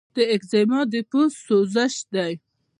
د ایکزیما د پوست سوزش دی.